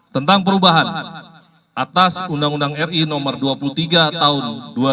tentang perubahan atas undang undang ri no dua puluh tiga tahun dua ribu dua